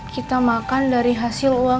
kita makan dari hasil uang